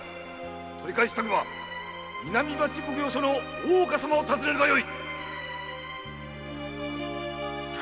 取り返したくば南町奉行所の大岡様を訪ねるがよい！